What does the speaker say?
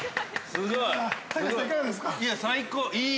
◆すごい。